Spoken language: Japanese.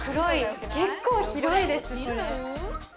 結構広いです。